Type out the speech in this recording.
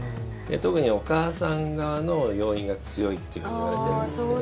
特にお母さん側の要因が強いといわれてるんですけど。